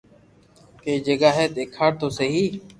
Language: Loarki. ڪئي جگہ ھي ديکاڙ تو سھي